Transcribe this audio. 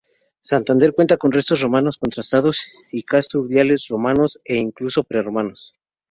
Santander cuenta con restos romanos contrastados y Castro Urdiales, romanos e incluso prerromanos.